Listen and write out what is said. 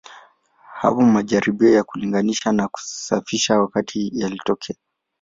Hapo majaribio ya kulinganisha na kusafisha wakati yalitokea.